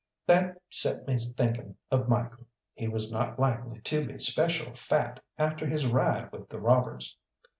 That set me thinking of Michael. He was not likely to be special fat after his ride with the robbers.